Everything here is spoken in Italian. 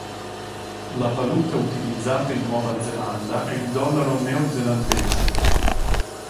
La valuta utilizzata in Nuova Zelanda è il dollaro neozelandese.